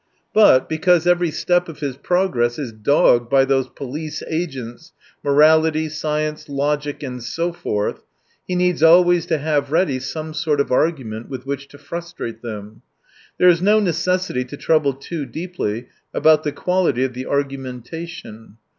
But, because every step of his progress is doggfed by those police agents, morality, science, logic, and so forth, he needs always to have ready some sort of argument with which to frustrate them. There is no necessity to trouble too deeply about the quality of the argumenta tion.